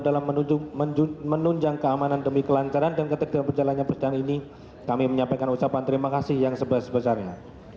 dalam menunjang keamanan demi kelancaran dan ketegangan berjalannya persidangan ini kami menyampaikan ucapan terima kasih yang sebesar besarnya